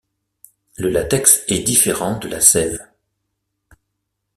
Le latex est différent de la sève.